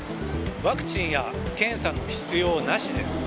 ワクチンや検査の必要なしです。